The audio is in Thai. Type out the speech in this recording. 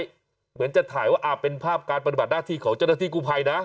เหมือนจะถ่ายว่าเป็นภาพการปฏิบัติหน้าที่ของเจ้าหน้าที่กู้ภัยนะ